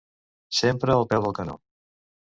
Sempre al peu del canó.